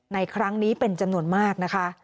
ในครั้งนี้เป็นจำนวนมากนะคะ